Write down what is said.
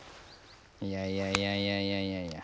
いやいやいやいやいやいや。